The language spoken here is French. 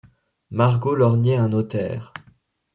Margot lorgnait un notaire